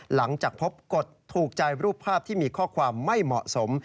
หลังจากพบกฎถูกใจรูปภาพที่มีข้อความไม่เหมาะสม